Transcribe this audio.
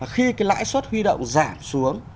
khi cái lãi suất huy động giảm xuống